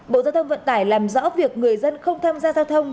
bộ giao thông vận tải làm rõ việc người dân không tham gia giao thông